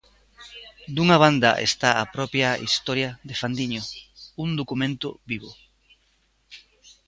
Dunha banda está a propia historia de Fandiño, un documento vivo.